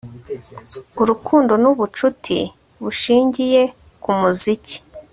urukundo ni ubucuti bushingiye ku muziki